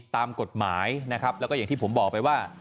ตามกฎหมายนะครับแล้วก็อย่างที่ผมบอกไปว่า